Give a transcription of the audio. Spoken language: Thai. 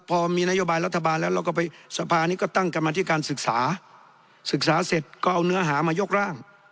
พอมีนโยบายรัฐบาลแล้วเราก็ไปสภานี้ก็ตั้งกรรมธิการศึกษาศึกษาเสร็จก็เอาเนื้อหามายกร่าง